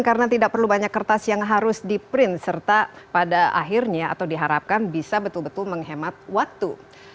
karena tidak perlu banyak kertas yang harus di print serta pada akhirnya atau diharapkan bisa betul betul menghemat waktu